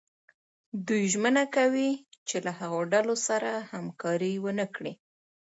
دوی ژمنه کوي چې له هغو ډلو سره همکاري ونه کړي.